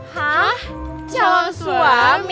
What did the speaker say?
hah calon suami